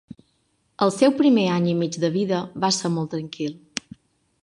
El seu primer any i mig de vida va ser molt tranquil.